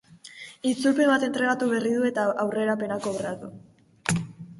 Itzulpen bat entregatu berri du eta aurrerapena kobratu.